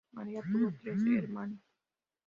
María tuvo trece hermanos.